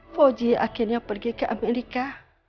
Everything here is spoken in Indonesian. voji akhirnya pergi ke amerika